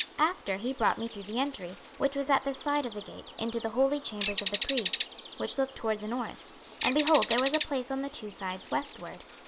26:046:019 After he brought me through the entry, which was at the side of the gate, into the holy chambers of the priests, which looked toward the north: and, behold, there was a place on the two sides westward.